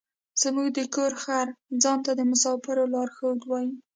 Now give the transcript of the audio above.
زموږ د کور خر ځان ته د مسافرو لارښود وايي.